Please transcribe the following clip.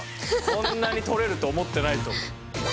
こんなに取れると思ってないと思う。